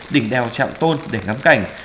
đỉnh đèo trạm tôn để ngắm cảnh